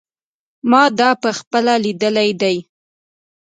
ما دا په خپله لیدلی دی.